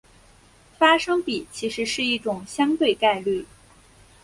发生比其实是一种相对概率。